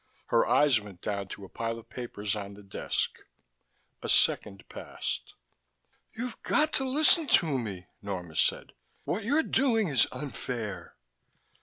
Her eyes went down to a pile of papers on the desk. A second passed. "You've got to listen to me," Norma said. "What you're doing is unfair."